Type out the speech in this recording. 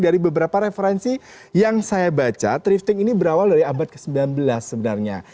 dari beberapa referensi yang saya baca thrifting ini berawal dari abad ke sembilan belas sebenarnya